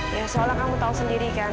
ya soalnya kamu tahu sendiri kan